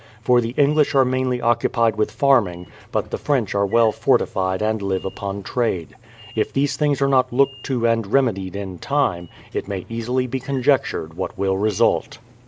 For the English are mainly occupied with farming, but the French are well fortified and live upon trade. If these things are not looked to and remedied in time, it may easily be conjectured what will result.